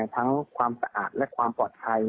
ความสะอาดและความปลอดภัย